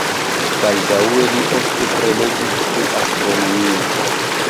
Baldaŭe li ofte prelegis pri astronomio.